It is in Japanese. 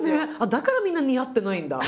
だからみんな似合ってないんだ。